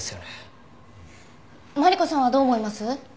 マリコさんはどう思います？